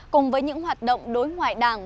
cùng với những hoạt động đối ngoại đảng